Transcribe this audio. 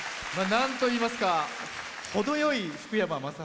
なんといいますか程よい福山雅治。